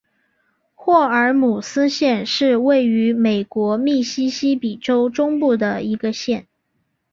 霍尔姆斯县是位于美国密西西比州中部的一个县。